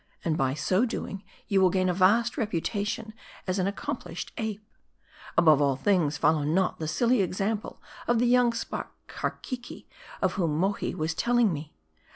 And by so doing, you will gain a vast reputation as an accomplished ape. Above all things, follow not the silly example of the young spark Karkeke, of whom Mohi was telling me.